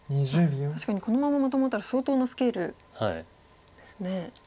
確かにこのまままとまったら相当なスケールですね。